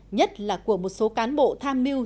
nhất là của một số cán bộ tham mưu